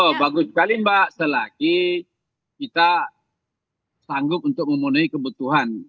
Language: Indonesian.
oh bagus sekali mbak selagi kita sanggup untuk memenuhi kebutuhan